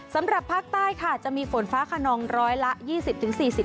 สำหรับภาคใต้ค่ะจะมีฝนฟ้าขนองร้อยละ๒๐๔๐ของพื้นที่